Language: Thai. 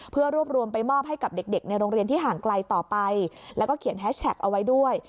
เพื่อรวบรวมไปมอบให้กับเด็กในโรงเรียนที่ห่างไกลต่อไปแล้วก็เขียนแฮชแท็กเอาไว้ด้วย